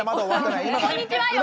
「こんにちは」よ。